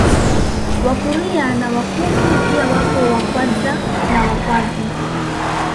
Wakuria na Wakutu pia wapo Wakwadza na Wakwavi